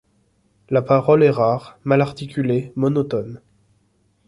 La parole est rare, mal articulée, monotone.